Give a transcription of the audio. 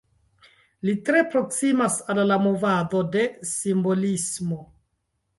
Li tre proksimas al la movado de simbolismo.